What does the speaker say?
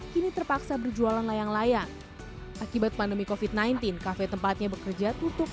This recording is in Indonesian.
kini terpaksa berjualan layang layang akibat pandemi negot entitled café tempatnya bekerja tutup